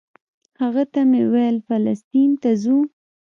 هغه ته مې ویل فلسطین ته ځو.